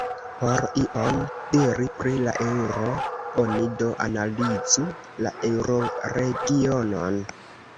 Por ion diri pri la eŭro, oni do analizu la eŭroregionon.